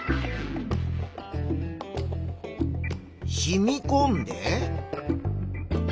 しみこんで。